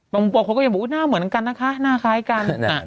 บางคนก็ยังบอกว่าหน้าเหมือนกันนะคะหน้าคล้ายกัน